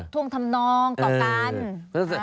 ทวงทำนองต่อกัน